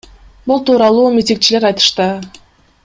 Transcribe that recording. Бул тууралуу митигчилер айтышты.